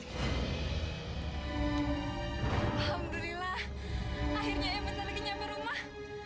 alhamdulillah akhirnya emosan lagi nyapa rumah